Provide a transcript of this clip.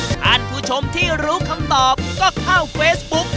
ท่านผู้ชมที่รู้คำตอบก็เข้าเฟซบุ๊ก